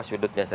ini untuk apa